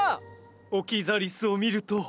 オキザリスを見ると。